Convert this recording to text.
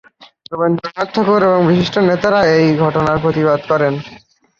রবীন্দ্রনাথ ঠাকুর এবং বিশিষ্ট নেতারা এই ঘটনার প্রতিবাদ করেন।